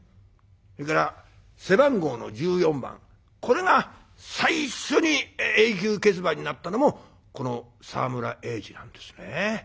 それから背番号の１４番これが最初に永久欠番になったのもこの沢村栄治なんですね。